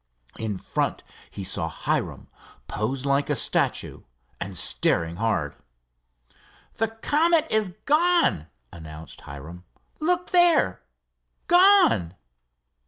In front he saw Hiram posed like a statue and staring hard. "The Comet is gone!" announced Hiram. "Look there—gone!"